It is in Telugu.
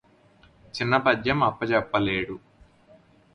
చిన్న పద్యమప్ప జెప్పలేడు